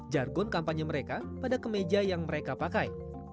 jargon kampanye mereka pada kemeja yang mereka pakai